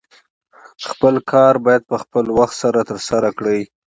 خپل کار باید په خپل وخت سره ترسره کړې